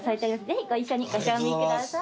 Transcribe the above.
ぜひご一緒にご賞味ください。